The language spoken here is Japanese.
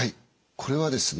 これはですね